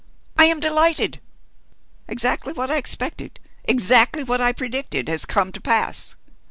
I am delighted. Exactly what I expected, exactly what I predicted, has come to pass.